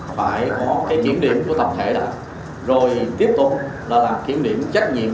phải có cái kiểm điểm của tập thể đó rồi tiếp tục là kiểm điểm trách nhiệm